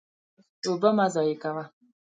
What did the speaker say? اوبه مه ضایع کوه.